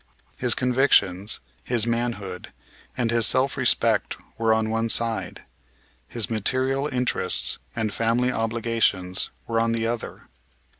His convictions, his manhood and his self respect were on one side; his material interests and family obligations were on the other.